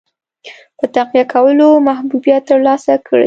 په تقویه کولو محبوبیت ترلاسه کړي.